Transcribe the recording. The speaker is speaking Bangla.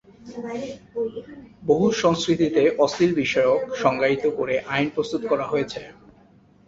বহু সংস্কৃতিতে অশ্লীল বিষয়কে সংজ্ঞায়িত করে আইন প্রস্তুত করা হয়েছে।